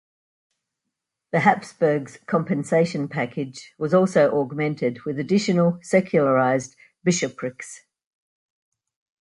The Habsburgs' compensation package was also augmented with additional secularized bishoprics.